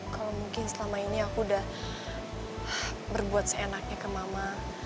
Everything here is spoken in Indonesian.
kalau mungkin selama ini aku udah berbuat seenaknya ke mama